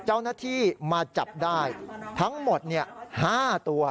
เจ้าหน้าที่มาจับได้ทั้งหมด๕ตัว